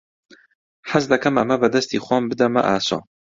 حەز دەکەم ئەمە بە دەستی خۆم بدەمە ئاسۆ.